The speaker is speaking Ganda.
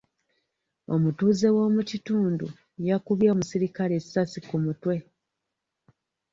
Omutuuze w'omukitundu yakubye omuserikale essaasi ku mutwe.